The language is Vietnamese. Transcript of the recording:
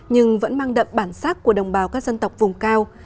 nhưng vẫn mang đậm bản sắc của đồng bào các dân tộc vùng cao